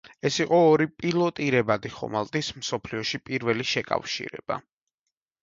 ეს იყო ორი პილოტირებადი ხომალდის მსოფლიოში პირველი შეკავშირება.